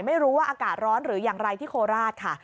ไม่รู้ว่าอากาศร้อนหรืออย่างไรที่โคราชค่ะ